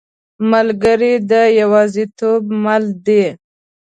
ملګری د یوازیتوب مل دی.